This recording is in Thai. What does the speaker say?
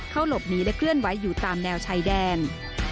หลบหนีและเคลื่อนไว้อยู่ตามแนวชายแดน